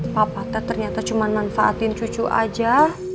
papa saya ternyata cuma manfaatin cucu saja